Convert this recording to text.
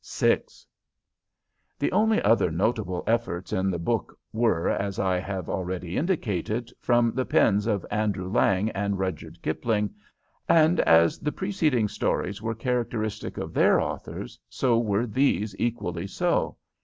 VI The only other notable efforts in the book were, as I have already indicated, from the pens of Andrew Lang and Rudyard Kipling, and as the preceding stories were characteristic of their authors, so were these equally so.